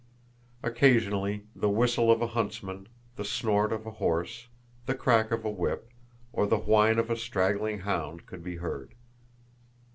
Occasionally the whistle of a huntsman, the snort of a horse, the crack of a whip, or the whine of a straggling hound could be heard.